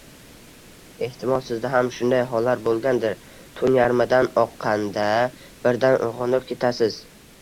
Ehtimol, sizda ham shunday hollar bo‘lgandir: tun yarmidan oqqanda birdan uyg‘onib ketasiz.